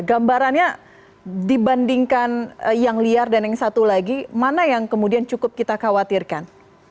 gambarannya dibandingkan yang liar dan yang satu lagi mana yang kemudian cukup kita khawatirkan